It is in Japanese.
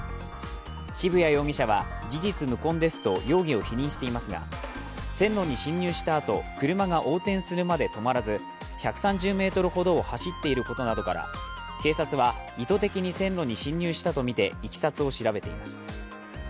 渋谷容疑者は事実無根ですと容疑を否認していますが、線路に侵入したあと車が横転するまで止まらず１３０ｍほど走っていることなどから、警察は意図的に線路に進入したとみていきさつを調べています。